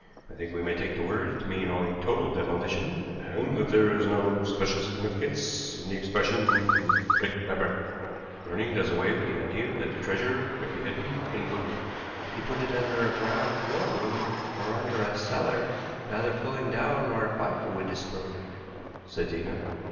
I think we may take the words to mean only total demolition, and that there is no special significance in the expression 'brick by brick.' Burning does away with the idea that the treasure may be hidden in woodwork." "If he put it under a ground floor room or under a cellar neither pulling down nor a fire would disclose it," said Zena.